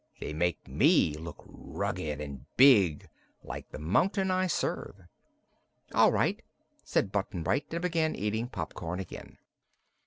They make me look rugged and big, like the mountain I serve." "All right," said Button Bright and began eating popcorn again.